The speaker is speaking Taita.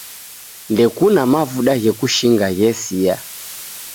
Ndekuna mavuda ghekushinga ghesia